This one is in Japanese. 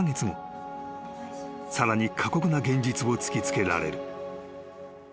［さらに過酷な現実を突き付けられる］